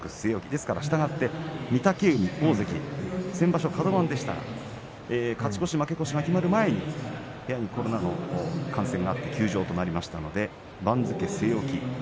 ですから御嶽海、大関先場所カド番でしたが勝ち越し、負け越しが出る前に部屋のコロナの感染があって休場となりましたので番付は据え置きです。